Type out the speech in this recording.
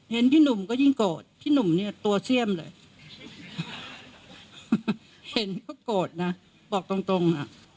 เห็นพี่หนุ่มก็ยิ่งโกรธพี่หนุ่มเนี่ยตัวเสี่ยมเลยเห็นก็โกรธนะบอกตรงตรงอ่ะ